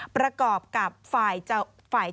ประกอบกับฝ่ายโจทย์เอง